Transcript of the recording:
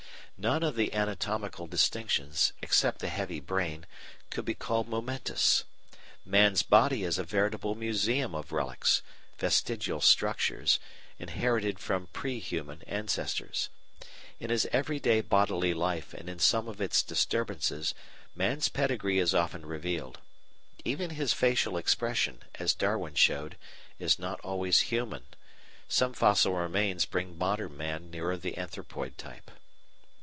None of the anatomical distinctions, except the heavy brain, could be called momentous. Man's body is a veritable museum of relics (vestigial structures) inherited from pre human ancestors. In his everyday bodily life and in some of its disturbances, man's pedigree is often revealed. Even his facial expression, as Darwin showed, is not always human. Some fossil remains bring modern man nearer the anthropoid type.